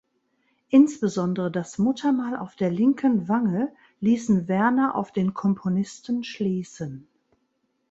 Insbesondere das Muttermal auf der linken Wange ließen Werner auf den Komponisten schließen.